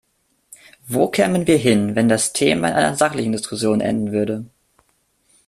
Wo kämen wir hin, wenn das Thema in einer sachlichen Diskussion enden würde?